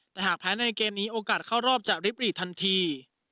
แต่หากแพ้ในเกมนี้โอกาสเข้ารอบจะริบหลีดทันที